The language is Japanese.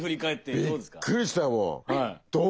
びっくりしたもう！